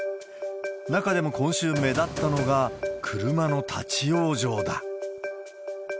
中でも今週目立ったのが、車の立往生だ。